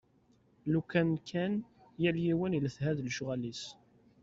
Lukan kan yal yiwen iletha d lecɣal-is.